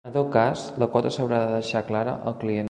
En tot cas, la quota s'haurà de deixar clara al client.